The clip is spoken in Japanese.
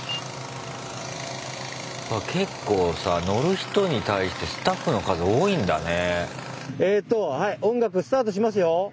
結構さ乗る人に対してスタッフの数多いんだね。